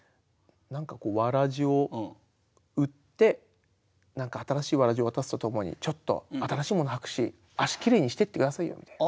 何かこうわらぢを売って何か新しいわらぢを渡すとともにちょっと新しいもの履くし足きれいにしてって下さいよみたいな。